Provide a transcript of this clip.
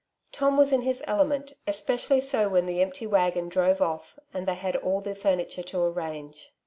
Tom was in his element, espe cially so when the empty waggon drove ofiF, and they had all the furniture to arrange.